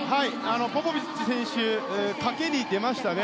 ポポビッチ選手は賭けに出ましたね。